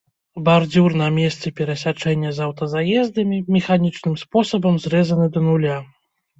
Бардзюр на месцы перасячэння з аўтазаездамі механічным спосабам зрэзаны да нуля.